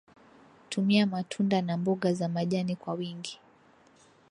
tumia matunda na mboga za majani kwa wingi